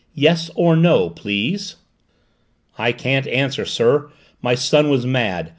Yes or no, please." "I can't answer, sir. My son was mad!